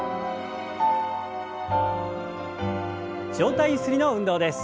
上体ゆすりの運動です。